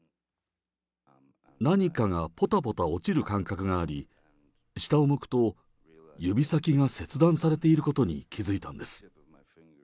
何かがぽたぽた落ちる感覚があり、下を向くと、指先が切断されていることに気付いたんです。